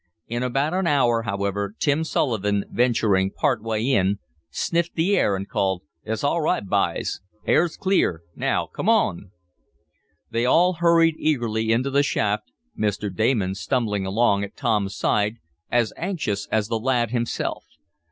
In about an hour, however, Tim Sullivan, venturing part way in, sniffed the air and called: "It's all right, byes! Air's clear. Now come on!" They all hurried eagerly into the shaft, Mr. Damon stumbling along at Tom's side, as anxious as the lad himself.